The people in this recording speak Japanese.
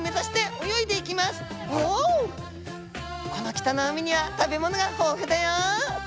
「この北の海には食べ物が豊富だよ！